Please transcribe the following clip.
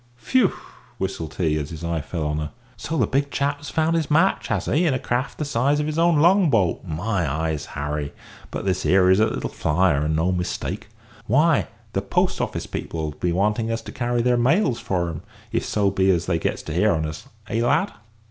"Phew!" whistled he, as his eye fell on her, "so the big chap has found his match, has he, in a craft the size of his own long boat. My eyes! Harry, but this here is a little flyer, and no mistake. Why, the post office people 'll be wanting us to carry their mails for 'em, if so be as they gets to hear on us, eh, lad?"